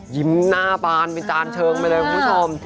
หน้าบานเป็นจานเชิงไปเลยคุณผู้ชม